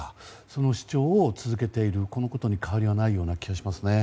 その主張を続けている、このことに変わりないような気はしますね。